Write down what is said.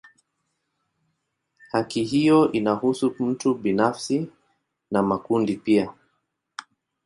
Haki hiyo inahusu mtu binafsi na makundi pia.